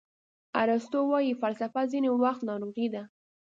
ارسطو وایي فلسفه ځینې وخت ناروغي ده.